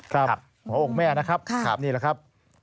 ครับหัวองค์แม่นะครับสามนี้แหละครับ